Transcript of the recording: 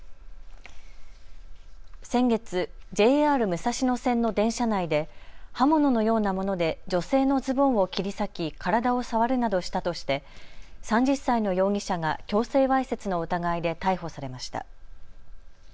先月、ＪＲ武蔵野線の電車内で刃物のようなもので女性のズボンを切り裂き体を触るなどしたとして３０歳の容疑者が強制わいせつの疑いで逮捕されました。